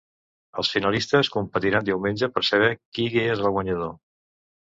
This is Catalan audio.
Els finalistes competiran diumenge per saber qui és el guanyador.